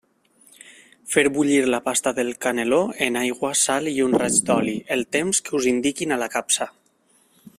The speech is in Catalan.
Feu bullir la pasta de caneló en aigua, sal i un raig d'oli, el temps que us indiquin a la capsa.